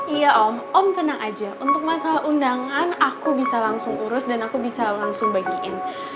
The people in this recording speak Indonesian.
iya om om tenang aja untuk masalah undangan aku bisa langsung urus dan aku bisa langsung bagiin